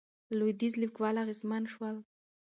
لوېدیځ لیکوال اغېزمن شول.